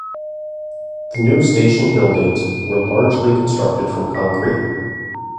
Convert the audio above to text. The new station buildings were largely constructed from concrete.